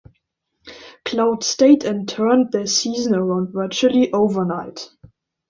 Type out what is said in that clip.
Cloud State and turned their season around virtually overnight.